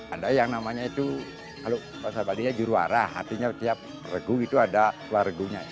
ada yang namanya itu kalau bahasa bali nya juru warah artinya tiap regu itu ada wargunya